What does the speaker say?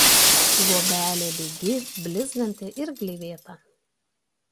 Luobelė lygi blizganti ir gleivėta.